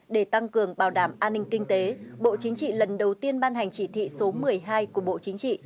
để tăng cường bảo đảm an ninh kinh tế bộ chính trị lần đầu tiên ban hành chỉ thị số một mươi hai của bộ chính trị